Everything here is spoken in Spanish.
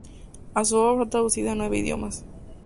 А su obra fue traducida a nueve idiomas.